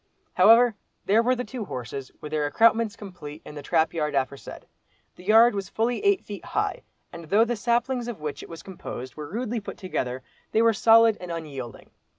However there were the two horses with their accoutrements complete, in the trap yard aforesaid. The yard was fully eight feet high, and though the saplings of which it was composed were rudely put together, they were solid and unyielding.